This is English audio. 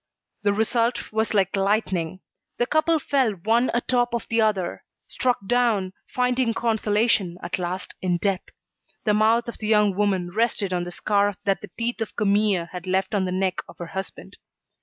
The result was like lightning. The couple fell one atop of the other, struck down, finding consolation, at last, in death. The mouth of the young woman rested on the scar that the teeth of Camille had left on the neck of her husband.